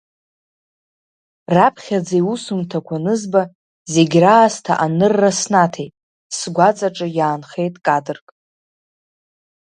Раԥхьаӡа иусумҭақәа анызба, зегь раасҭа анырра снаҭеит, сгәаҵаҿы иаанхеит кадрк.